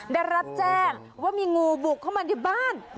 ได้รับแจ้งว่ามีงูบุกเข้ามาที่บ้าน